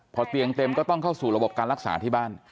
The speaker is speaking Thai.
พอเตียงเต็มก็ต้องเข้าสู่ระบบการรักษาที่บ้าน